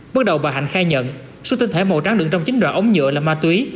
bắt đầu bà hạnh khai nhận suốt tinh thể màu trắng lượng trong chín đoạn ống nhựa là ma túy